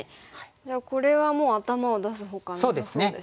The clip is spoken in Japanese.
じゃあこれはもう頭を出すほかなさそうですね。